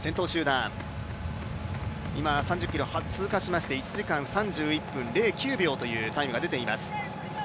先頭集団、今、３０ｋｍ通過しまして１時間３１分０９秒というタイムが出ています。